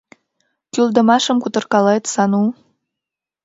— Кӱлдымашым кутыркалет, Сану!